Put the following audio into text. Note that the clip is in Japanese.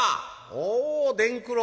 「おう伝九郎。